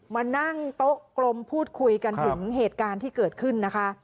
มานั่งโต๊ะกลมพูดคุยกันถึงเหตุการณ์ที่เกิดขึ้นนะคะ